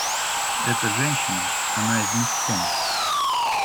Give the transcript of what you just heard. Это женщина, она из месткома.